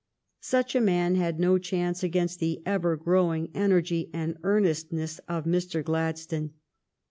Such a man had no chance against the ever grow ing energy and earnestness of Mr. Gladstone.